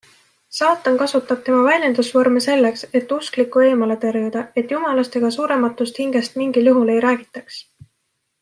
Saatan kasutab tema väljendusvorme selleks, et usklikku eemale tõrjuda, et Jumalast ega surematust hingest mingil juhul ei räägitaks.